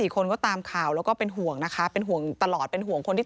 คนก็ตามข่าวแล้วก็เป็นห่วงนะคะเป็นห่วงตลอดเป็นห่วงคนที่